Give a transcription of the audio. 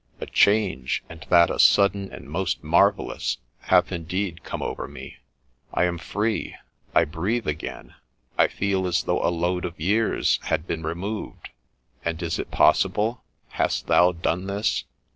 A change, and that a sudden and most marvellous, hath indeed come over me ; I am free ; I breathe again ; I feel as though a load of years had been removed ; and, is it possible ?— hast thou done this